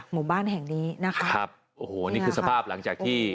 หมู่บ้านแห่งนี้นะคะครับโอ้โหนี่คือสภาพหลังจากที่